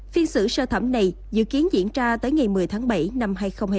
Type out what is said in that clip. phiên xử sơ thẩm này dự kiến diễn ra tới ngày một mươi tháng bảy năm hai nghìn hai mươi